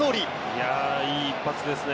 いい一発ですね。